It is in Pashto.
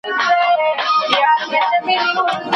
شګوفو به اوربلونه نازولای